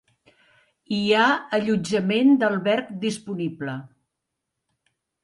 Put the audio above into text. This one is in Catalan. Hi ha allotjament d'alberg disponible.